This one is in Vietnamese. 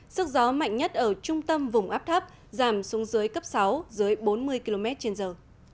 sức gió mạnh nhất ở trung tâm vùng áp thấp giảm xuống dưới cấp sáu dưới bốn mươi km trên giờ